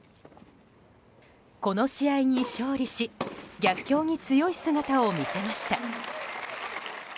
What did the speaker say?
この試合に勝利し逆境に強い姿を見せました。